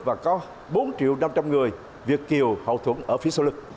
và có bốn triệu năm trăm linh người việt kiều hậu thuẫn ở phía sau lưng